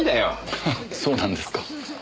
そうなんですか。